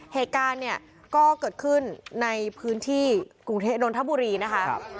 เหตุการณ์เนี่ยก็เกิดขึ้นในพื้นที่กรุงเทพนนทบุรีนะคะ